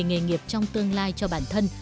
nghiệp trong tương lai cho bản thân